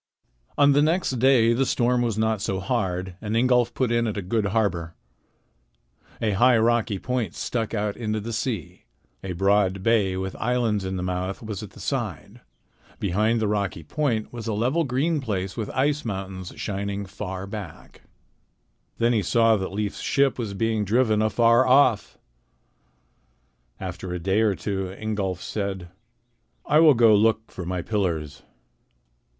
On the next day the storm was not so hard, and Ingolf put in at a good harbor. A high rocky point stuck out into the sea. A broad bay with islands in the mouth was at the side. Behind the rocky point was a level green place with ice mountains shining far back. After a day or two Ingolf said: "I will go look for my pillars."